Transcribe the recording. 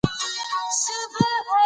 هم به جاله وي هم یکه زار وي